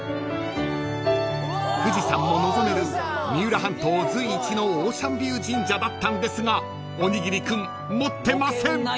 ［富士山も望める三浦半島随一のオーシャンビュー神社だったんですがおにぎり君持ってません］